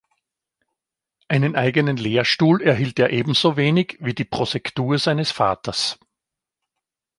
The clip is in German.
Einen eigenen Lehrstuhl erhielt er ebenso wenig wie die Prosektur seines Vaters.